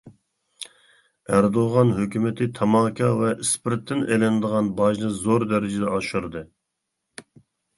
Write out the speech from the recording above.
ئەردوغان ھۆكۈمىتى تاماكا ۋە ئىسپىرتتىن ئېلىنىدىغان باجنى زور دەرىجىدە ئاشۇردى.